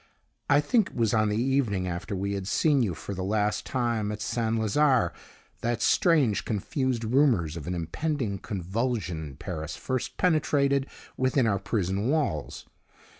"I think it was on the evening after we had seen you for the last time at St. Lazare that strange, confused rumors of an impending convulsion in Paris first penetrated within our prison walls.